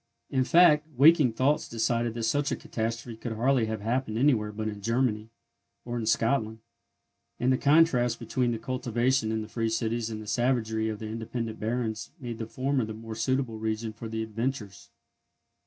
In fact, waking thoughts decided that such a catastrophe could hardly have happened anywhere but in Germany, or in Scotland; and the contrast between the cultivation in the free cities and the savagery of the independent barons made the former the more suitable region for the adventures.